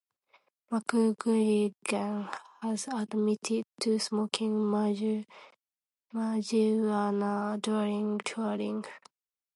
McGuigan has admitted to smoking marijuana during touring.